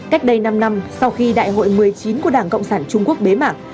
cách đây năm năm sau khi đại hội một mươi chín của đảng cộng sản trung quốc bế mạng